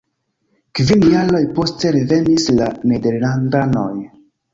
Kvin jaroj poste revenis la nederlandanoj.